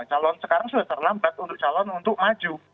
calon sekarang sudah terlambat untuk calon untuk maju